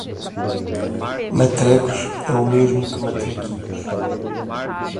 "Matrecos" é o mesmo que "matraquilhos".